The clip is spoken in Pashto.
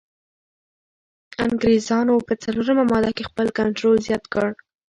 انګریزانو په څلورمه ماده کي خپل کنټرول زیات کړ.